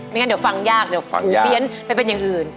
งั้นเดี๋ยวฟังยากเดี๋ยวฟังหูเปลี่ยนไปเป็นอย่างอื่น